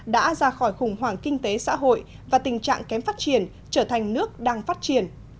đã ra khỏi khủng hoảng kinh tế xã hội và tình trạng kém phát triển trở thành nước đang phát triển